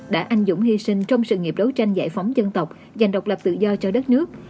đã anh dũng hy sinh trong sự nghiệp đấu tranh giải phóng dân tộc giành độc lập tự do cho đất nước